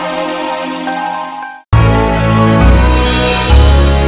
ya tapi sudah selesai